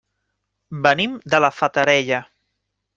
Venim de la Fatarella.